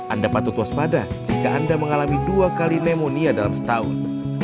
anda patut waspada jika anda mengalami dua kali pneumonia dalam setahun